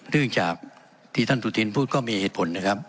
เรื่องจากที่ท่านสุธินพูดก็มีเหตุผลนะครับ